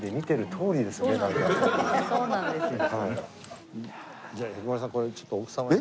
そうなんです。